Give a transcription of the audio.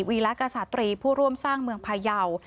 วีรกษาตรีผู้ร่วมสร้างเมืองพายาว